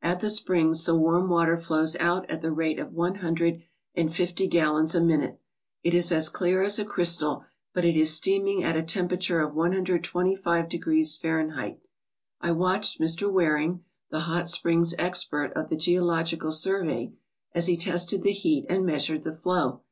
At the springs the warm water flows out at the rate of one hundred and fifty gallons a minute. It is as clear as a crystal, but it is steaming at a temperature of 125 degrees Fahrenheit. I watched Mr. Waring, the hot springs' expert of the Geological Survey, as he tested the heat and measured the flow.